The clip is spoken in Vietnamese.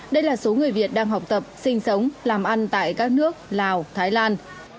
đây là số người việt đang học tập sinh sống làm ăn tại các nước lào thái lan